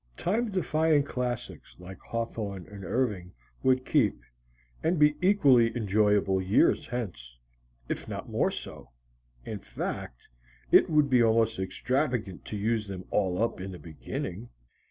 Time defying classics like Hawthorne and Irving would keep and be equally enjoyable years hence, if not more so; in fact, it would be almost extravagant to use them all up in the beginning.